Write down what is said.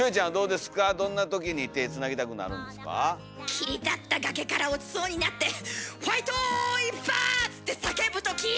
切り立った崖から落ちそうになって「ファイト！」「一発！」って叫ぶとき。